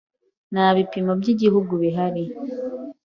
Nta bipimo byigihugu bihari.